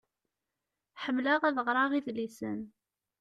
Ḥemleɣ ad ɣreɣ idlisen.